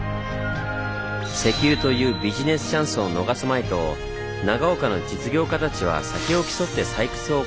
石油というビジネスチャンスを逃すまいと長岡の実業家たちは先を競って採掘を行いました。